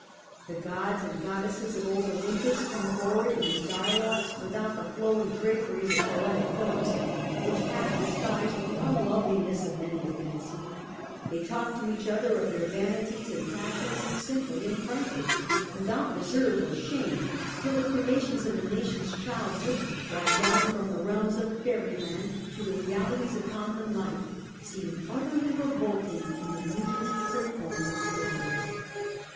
The gods and goddesses of old Olympus come fonvard in his dialogues without the flowing draperies of poetic forms which half disguised the unloveliness of many a fancy; ihey talk to each other of their vanities and passions simply and frankly, without reserve or shame, till the creations of a nation's childhood, brought down from the realms of fairyland to the realities of common life, seem utterly revolting in the nudities of homely prose.